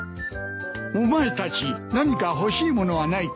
お前たち何か欲しいものはないか？